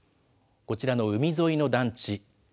こちらの海沿いの団地。